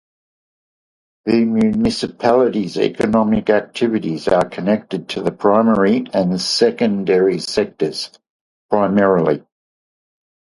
The municipality's economic activities are connected to the primary and secondary sectors primarily.